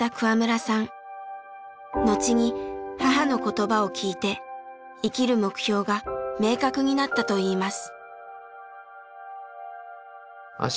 後に母の言葉を聞いて生きる目標が明確になったといいます。